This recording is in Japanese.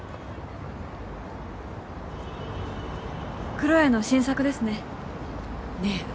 クロエの新作ですねねえ